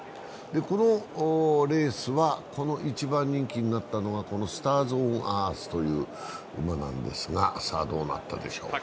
このレースは１番人気になったのはスターズオンアースという馬なんですがさあ、どうなったでしょうか。